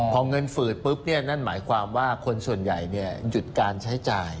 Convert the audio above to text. พอเงินฝืดปุ๊บนั่นหมายความว่าคนส่วนใหญ่หยุดการใช้จ่าย